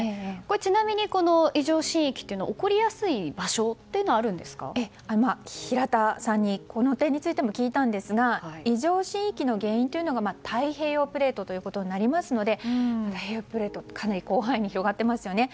ちなみにこの異常震域というのは起こりやすい場所というのは平田さんにこの点についても聞いたんですが異常震域の原因というのが太平洋プレートとなりますので太平洋プレートかなり広範囲に広がっていますよね。